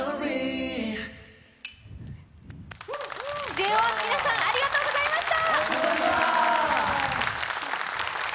ＪＯ１の皆さん、ありがとうございました。